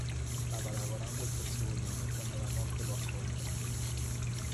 Stava lavorando al terzo volume quando la morte lo ha colto.